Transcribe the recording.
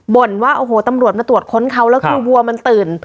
ว่าโอ้โหตำรวจมาตรวจค้นเขาแล้วคือวัวมันตื่น